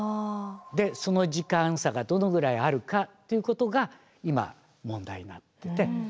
でその時間差がどのぐらいあるかっていうことが今問題になってて。